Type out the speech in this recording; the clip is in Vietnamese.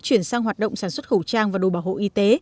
chuyển sang hoạt động sản xuất khẩu trang và đồ bảo hộ y tế